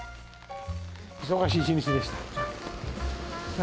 忙しい一日でした。